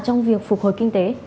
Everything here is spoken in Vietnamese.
trong việc phục hồi kinh tế